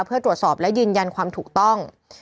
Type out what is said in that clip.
เพื่อตรวจสอบและยืนยันความถูกต้อง